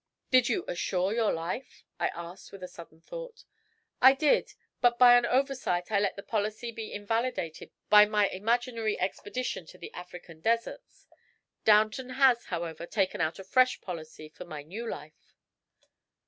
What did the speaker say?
Did you assure your life?" I asked, with a sudden thought. "I did; but by an oversight I let the policy be invalidated by my imaginary expedition to the African deserts. Downton has, however, taken out a fresh policy for my new life."